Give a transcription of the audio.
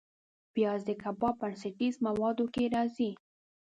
پیاز د کباب بنسټیز موادو کې راځي